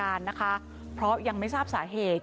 และละค่ะเพราะอย่างไม่ทราบสาเหตุ